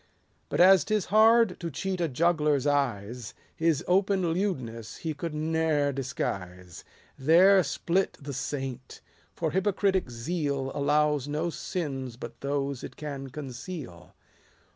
But, as 'tis hard to cheat a juggler's eyes, His open lewdness he could ne'er disguise. 166 drydek's poems. There split the saint : for hypocritic zeal 38 Allows no sins but those it can conceal.